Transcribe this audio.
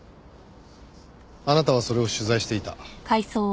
あなたはそれを取材していた。